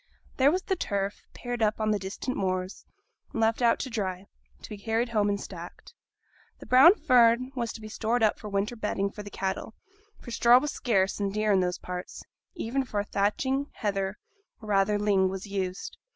There was the turf, pared up on the distant moors, and left out to dry, to be carried home and stacked; the brown fern was to be stored up for winter bedding for the cattle; for straw was scarce and dear in those parts; even for thatching, heather (or rather ling) was used.